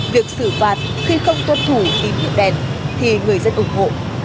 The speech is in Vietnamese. việc xử phạt khi không tuân thủ tín hiệu đèn thì người dân ủng hộ